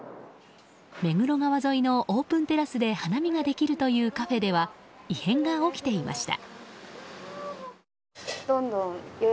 目黒川沿いのオープンテラスで花見ができるというカフェでは異変が起きていました。